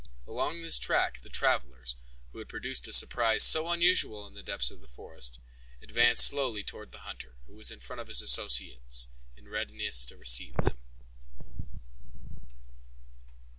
Along this track the travelers, who had produced a surprise so unusual in the depths of the forest, advanced slowly toward the hunter, who was in front of his associates, in readiness to receive them.